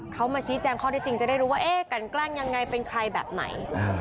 เขามาชี้แจงข้อที่จริงจะได้รู้ว่าเอ๊ะกันแกล้งยังไงเป็นใครแบบไหน